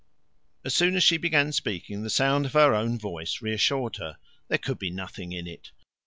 As soon as she began speaking, the sound of her own voice reassured her. There could be nothing in it.